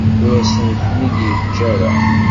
Ur asent-ten-id-yeǧǧa ara.